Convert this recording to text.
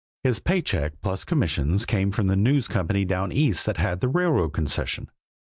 His pay check, plus commissions, came from the News Company down East that had the railroad concession.